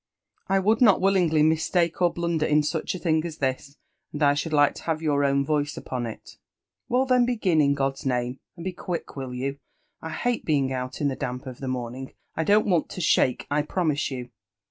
I wouki ,not willingly mistake or blunder in such a thing as this, and I should like to have your own voice upon it." Well, then, begin, in God'^ ^amerr^nd be quick, will you? — I hate being out jn the. damp of the mprning; I don't want to shake, I promise you."